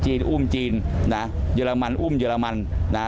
อุ้มจีนนะเยอรมันอุ้มเยอรมันนะฮะ